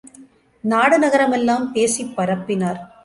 நாடு நகரமெல்லாம் பேசிப் பரப்பினார்.